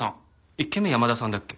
１軒目山田さんだっけ？